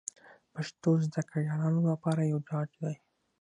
پښتو زده کړیالانو لپاره یو ډاډ دی